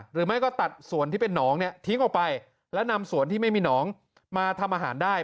หรือไม่ก็ตัดส่วนที่เป็นหนองเนี่ยทิ้งออกไปและนำส่วนที่ไม่มีหนองมาทำอาหารได้